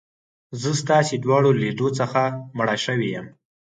زه ستاسي دواړو له لیدو څخه مړه شوې یم.